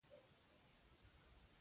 غریب له هرې لورې ازمېیل شوی وي